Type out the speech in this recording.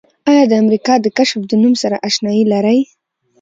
آیا د امریکا د کشف د نوم سره آشنایي لرئ؟